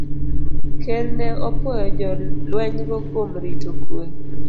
Ker ne opwoyo jolwenygo kuom rito kuwe